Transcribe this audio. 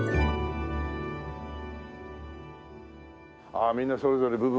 ああみんなそれぞれ部分。